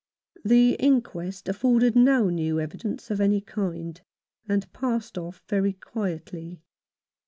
The inquest afforded no new evidence of any kind, and passed off very quietly.